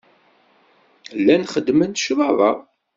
Llan xeddmen cclaḍa.